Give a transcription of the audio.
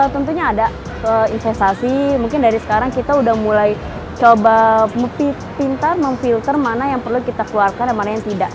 tentunya ada investasi mungkin dari sekarang kita udah mulai coba pintar memfilter mana yang perlu kita keluarkan dan mana yang tidak